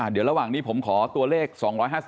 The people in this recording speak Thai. เดี๋ยวระหว่างนี้ผมขอตัวเลข๒๕๓